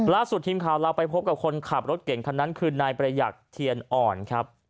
ล่าสุดทีมข่าวเราไปพบกับคนขับรถเก่งคันนั้นคือนายประหยัดเทียนอ่อนครับ